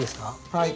はい。